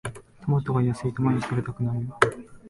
トマトが安いと毎日食べたくなる